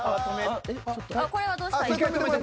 これはどうしたらいい？